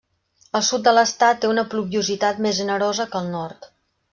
El sud de l'estat té una pluviositat més generosa que el nord.